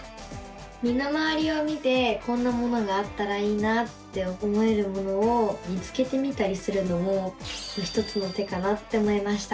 身の回りを見てこんなものがあったらいいなって思えるものを見つけてみたりするのも一つの手かなって思いました。